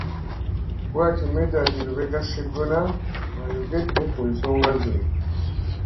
Bw'atyo Medard Lubega Sseggona bw'ayogedde ku nsonga zino.